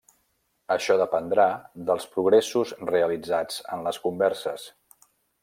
Això dependrà dels progressos realitzats en les converses.